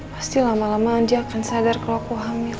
pasti lama lama dia akan sadar kalau aku hamil